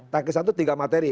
tangkisan itu tiga materi